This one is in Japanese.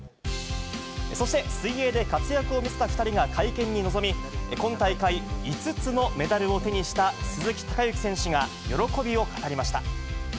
そして、水泳で活躍を見せた２人が会見に臨み、今大会５つのメダルを手にした鈴木孝幸選手が、喜びを語りました。